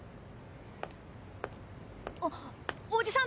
あおじさん